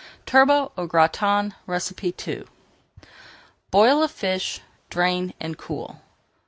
TURBOT AU GRATIN II Boil a fish, drain, and cool.